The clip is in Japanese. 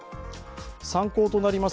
参考となります